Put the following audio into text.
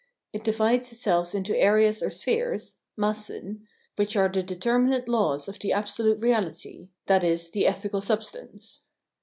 It divides itself into areas or spheres (Massen) which are the determinate laws of the absolute reahty [viz. the ethical substance].